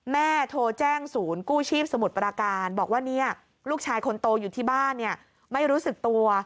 แม่โทรแจ้งศูนย์กู้ชีพสมุทรปราการบอกว่าเนี่ยลูกชายคนโตอยู่ที่บ้านไม่รู้สึกตัว